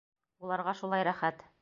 Уларға шулай рәхәт.